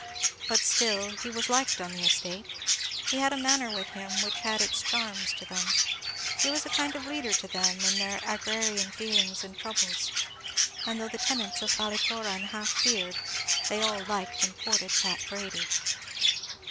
But still he was liked on the estate; he had a manner with him which had its charms to them; he was a kind of leader to them in their agrarian feelings and troubles; and though the tenants of Ballycloran half feared, they all liked and courted Pat Brady.